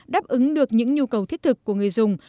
đáp ứng được những nhu cầu thiết thực của người dùng